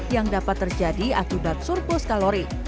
yang dapat terjadi atur dan surplus kalori